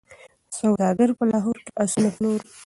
سوداګر په لاهور کي آسونه پلوري.